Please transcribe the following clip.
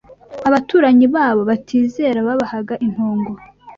Abaturanyi babo batizera babahaga intongo